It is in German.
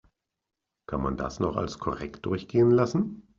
Kann man das noch als korrekt durchgehen lassen?